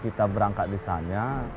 kita berangkat di sana